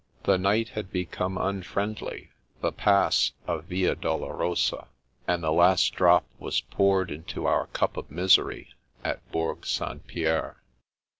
The night had become un friendly, the Pass a Via Dolorosa, and the last drc^ was poured into our cup of misery at Bourg St. Pierre.